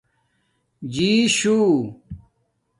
جیشُو